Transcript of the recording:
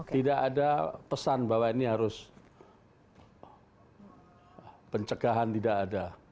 tidak ada pesan bahwa ini harus pencegahan tidak ada